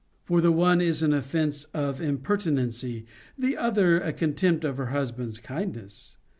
For the one is an offence of impertinency, the other a contempt of her husband's kindness.